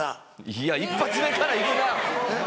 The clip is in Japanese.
いや一発目から行くな！